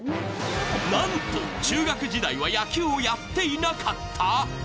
なんと、中学時代は野球をやっていなかった！？